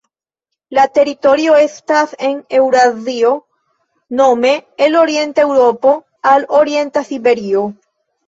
La teritorio estas en Eŭrazio nome el orienta Eŭropo al orienta Siberio.